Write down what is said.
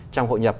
trong hội nhập